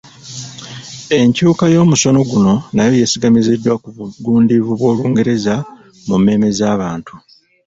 Enkyuka y'omusono guno nayo yeesigamiziddwa ku bugundiivu bw'Olungereza mu mmeeme z'abantu